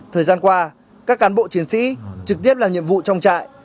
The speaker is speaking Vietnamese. thời gian qua các cán bộ chiến sĩ trực tiếp làm nhiệm vụ trong trại